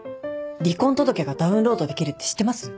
離婚届がダウンロードできるって知ってます？